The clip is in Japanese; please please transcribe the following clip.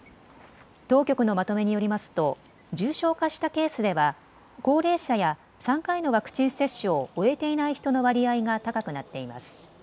当局のまとめによりますと重症化したケースでは高齢者や３回のワクチン接種を終えていない人の割合が高くなっています。